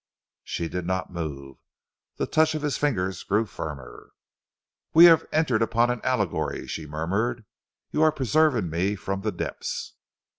She did not move. The touch of his fingers grew firmer. "We have entered upon an allegory," she murmured. "You are preserving me from the depths."